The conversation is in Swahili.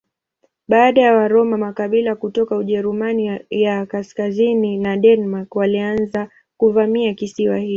Baada ya Waroma makabila kutoka Ujerumani ya kaskazini na Denmark walianza kuvamia kisiwa hicho.